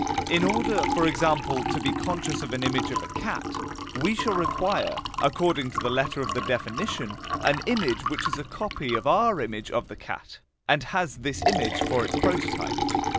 In order, for example, to be conscious of an image of a cat, we shall require, according to the letter of the definition, an image which is a copy of our image of the cat, and has this image for its prototype.